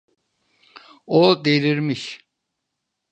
O delirmiş.